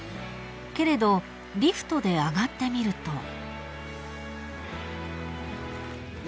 ［けれどリフトで上がってみると］